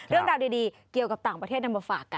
เรื่องราวดีเกี่ยวกับต่างประเทศนำมาฝากกัน